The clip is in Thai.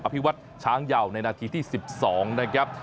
ภิวัตรช้างเยาว์ในนาทีที่๑๒นะครับ